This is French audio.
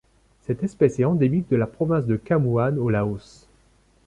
Cette espèce est endémique de la province de Khammouane au Laos.